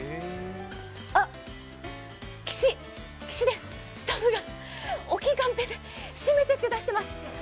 あっ、岸、岸でスタッフが大きいカンペで締めてって出しています。